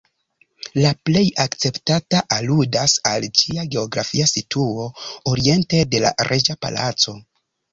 La plej akceptata aludas al ĝia geografia situo, oriente de la Reĝa Palaco.